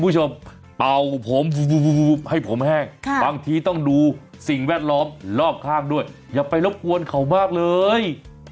อย่าต้องดูสิ่งแวดล้อมรอบข้างด้วยอย่าไปรบกวนเขามากเลย